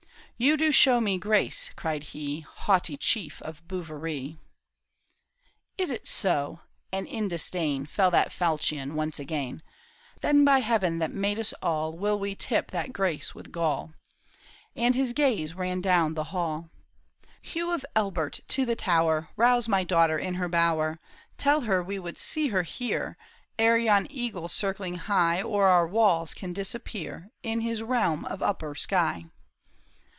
" You do show me grace," cried he, " Haughty chief of Bouverie !"" Is it so ?" and in disdain Fell that falchion once again. " Then by Heaven that made us ail, Will we tip that grace with gall ;" And his gaze ran down the hall. '' Hugh of Elbert to the tower ! 1 8 THE TOWER OF BOUVERIE, Rouse my daughter in her bower ; Tell her we would see her here Ere yon eagle circling high O'er our walls can disappear In his realm of upper sky.